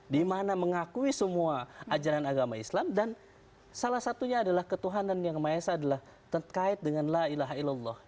dimana mengakui semua ajaran agama islam dan salah satunya adalah ketuhanan yang maha esa adalah terkait dengan la ilaha ilallah